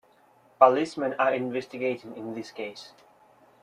Policemen are investigating in this case.